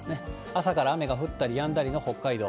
朝から雨が降ったりやんだりの北海道。